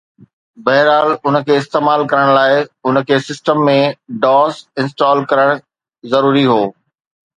بهرحال، ان کي استعمال ڪرڻ لاء، ان کي سسٽم ۾ DOS انسٽال ڪرڻ ضروري هو